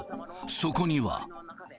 そこには。